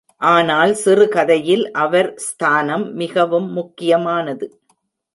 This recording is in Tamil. ஆனால் சிறுகதையில் அவர் ஸ்தானம் மிகவும் முக்கியமானது.